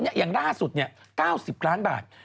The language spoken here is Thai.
อย่างล่าสุดมาจากล้าสุด๙๐ล้านบาท